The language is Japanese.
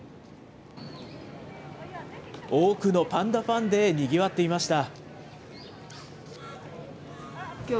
多くのパンダファンでにぎわっていました。